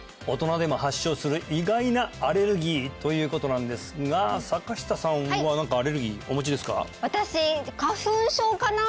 大人でも発症する意外なアレルギーということなんですが坂下さんは何かアレルギーお持ちですか？